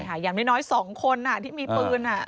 อย่างน้อย๒คนที่มีปืน